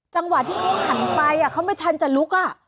จังหวะที่เขาหันไปเขาไม่ทันจะลุก